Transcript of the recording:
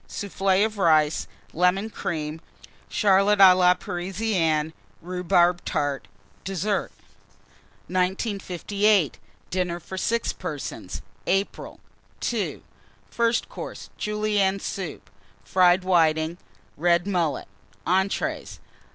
Soufflé of Rice. Lemon Cream. Charlotte & la Parisienne. Rhubarb Tart. DESSERT. 1958. DINNER FOR 6 PERSONS (April). II. FIRST COURSE. Julienne Soup. Fried Whitings. Red Mullet. ENTREES.